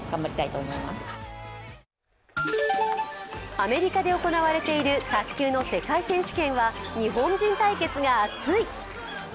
アメリカで行われている卓球の世界選手権は日本人対決が熱い。